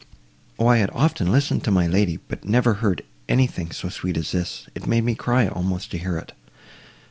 O! I had often listened to my lady, but never heard anything so sweet as this; it made me cry, almost, to hear it.